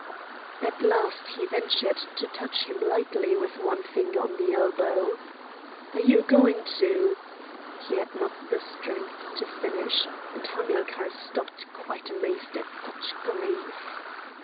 At last he ventured to touch him lightly with one finger on the elbow. "Are you going to—?" He had not the strength to finish, and Hamilcar stopped quite amazed at such grief.